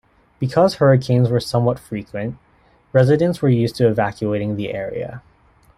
Because hurricanes were somewhat frequent, residents were used to evacuating the area.